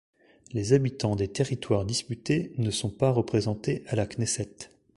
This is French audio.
Les habitants des territoires disputés ne sont pas représentés à la Knesset.